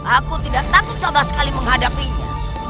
aku tidak takut sama sekali menghadapinya